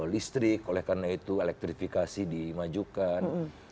listrik oleh karena itu elektrifikasi dimajukan